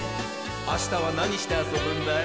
あしたはなにしてあそぶんだい？